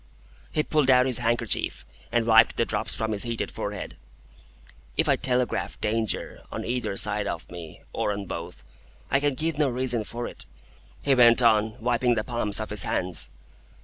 He pulled out his handkerchief, and wiped the drops from his heated forehead. "If I telegraph Danger, on either side of me, or on both, I can give no reason for it," he went on, wiping the palms of his hands.